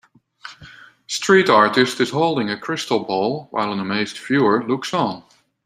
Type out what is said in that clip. Street artist is holding a crystal ball, while an amazed viewer looks on.